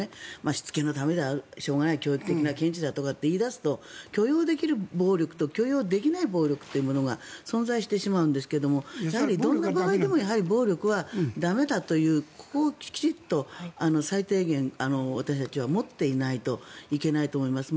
しつけのためだしょうがない教育的な見地だと言い出すと許容できる暴力と許容できない暴力というのが存在してしまうんですけどもどんな場合でも暴力は駄目だというここをきちんと最低限私たちは持っていないといけないと思います。